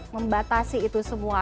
membatasi itu semua